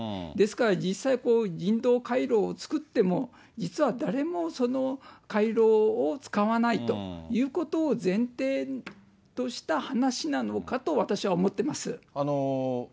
ですから、実際、人道回廊を作っても、実は誰もその回廊を使わないということを前提とした話なのかと私は思ってます。